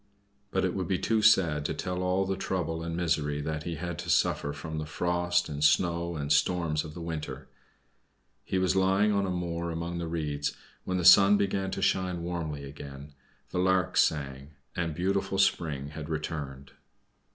But it would be too sad to tell all the trouble and misery that he had to suffer from the frost, and snow and storms of the winter. He was lying on a moor among the reeds, when the sun began to shine warmly again; the larks sang, and beautiful spring had returned.